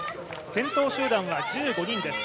先頭集団は１５人です。